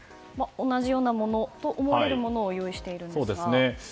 同じようなものと思われるものを用意しているんですが。